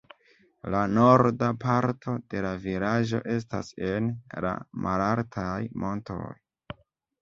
La norda parto de la vilaĝo estas en la malaltaj montoj.